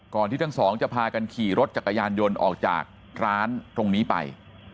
ที่ทั้งสองจะพากันขี่รถจักรยานยนต์ออกจากร้านตรงนี้ไป